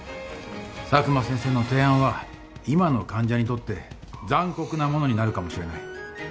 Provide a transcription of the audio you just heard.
佐久間先生の提案は今の患者にとって残酷なものになるかもしれない。